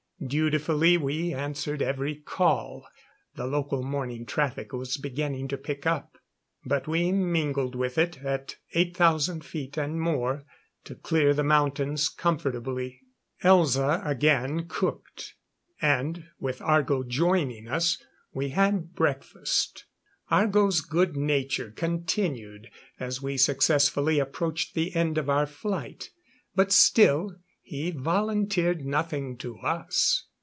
Dutifully we answered every call. The local morning traffic was beginning to pick up; but we mingled with it, at 8,000 feet and more, to clear the mountains comfortably. Elza again cooked and, with Argo joining us, we had breakfast. Argo's good nature continued, as we successfully approached the end of our flight. But still he volunteered nothing to us.